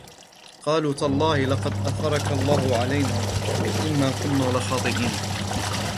قَالُوا تَاللَّهِ لَقَدْ آثَرَكَ اللَّهُ عَلَيْنَا وَإِنْ كُنَّا لَخَاطِئِينَ